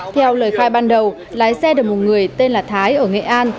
theo lời khai ban đầu lái xe được một người tên là thái ở nghệ an